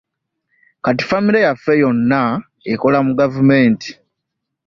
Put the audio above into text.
Kati famire yaffe yona ekola mu gavumenti.